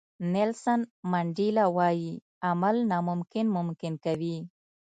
نیلسن منډیلا وایي عمل ناممکن ممکن کوي.